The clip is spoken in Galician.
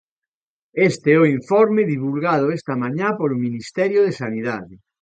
Este é o informe divulgado esta mañá polo Ministerio de Sanidade.